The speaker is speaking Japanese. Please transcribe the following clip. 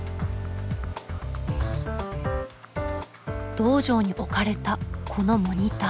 道場に置かれたこのモニター。